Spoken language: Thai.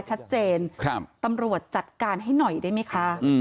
ฉันจะจัดการให้หน่อยได้ไหมคะ